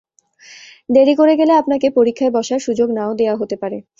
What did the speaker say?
দেরি করে গেলে আপনাকে পরীক্ষায় বসার সুযোগ না-ও দেয়া হতে পারে।